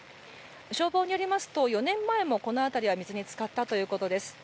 消防によりますと４年前もこの辺りは水につかったということです。